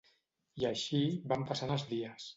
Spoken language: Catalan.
I així, van passant dies.